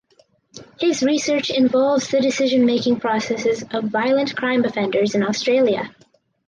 His research involves the decision making processes of violent crime offenders in Australia.